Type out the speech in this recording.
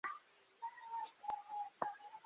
Ŝi unue laboris kiel muzikinstruisto.